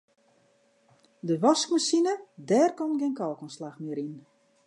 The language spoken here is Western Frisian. De waskmasine dêr komt gjin kalkoanslach mear yn.